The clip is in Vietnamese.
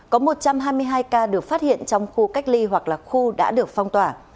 có một trăm hai mươi hai ca được phát hiện trong khu cách ly hoặc là khu đã được phong tỏa